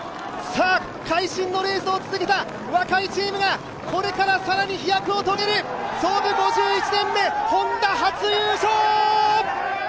さあ、会心のレースを続けた若いチームがこれから更に飛躍を遂げる、創部５１年目、Ｈｏｎｄａ初優勝！